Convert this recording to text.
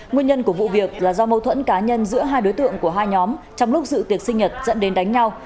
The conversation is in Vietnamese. nguyên nhân của vụ việc là do mâu thuẫn cá nhân giữa hai đối tượng của hai nhóm trong lúc dự tiệc sinh nhật dẫn đến đánh nhau